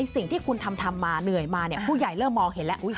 สิ่งที่คุณทำมาเหนื่อยมาเนี่ยผู้ใหญ่เริ่มมองเห็นแล้ว